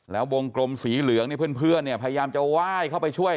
แล้ววงกลมสีเหลืองเนี่ยเพื่อนเนี่ยพยายามจะไหว้เข้าไปช่วย